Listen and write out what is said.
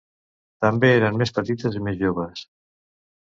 També eren més petites i més joves.